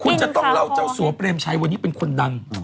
คุณจะต้องเล่าเจ้าสัวเปรมชัยวันนี้เป็นคนดัง